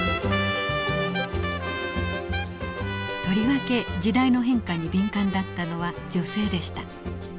とりわけ時代の変化に敏感だったのは女性でした。